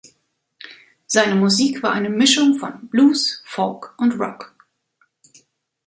Seine Musik war eine Mischung von Blues, Folk und Rock.